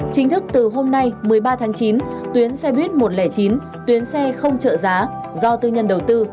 chính thức từ hôm nay một mươi ba tháng chín tuyến xe buýt một trăm linh chín tuyến xe không trợ giá do tư nhân đầu tư